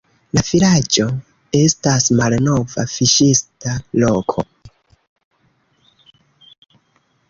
La vilaĝo estas malnova fiŝista loko.